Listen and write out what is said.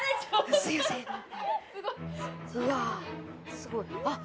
すごいあっ